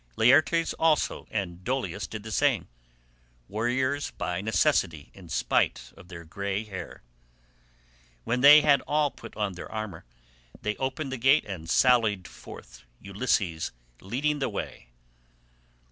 Laertes also and Dolius did the same—warriors by necessity in spite of their grey hair. When they had all put on their armour, they opened the gate and sallied forth, Ulysses leading the way.